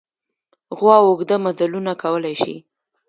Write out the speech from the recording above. غوا اوږده مزلونه کولی شي.